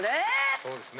そうですね。